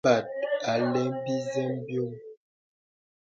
Yì sâbāt à lək bìsə bìoŋ.